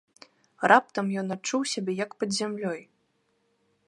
Раптам ён адчуў сябе як пад зямлёй.